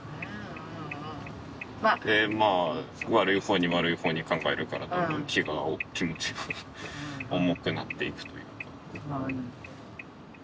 悪い方に悪い方に考えるからどんどん気持ちが重くなっていくというか。